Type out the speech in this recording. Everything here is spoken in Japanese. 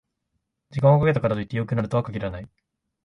時間をかけたからといって良くなるとは限らない